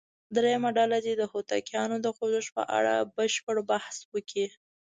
درېمه ډله دې د هوتکیانو د خوځښت په اړه بشپړ بحث وکړي.